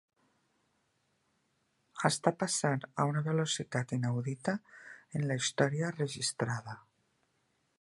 Està passant a una velocitat inaudita en la història registrada.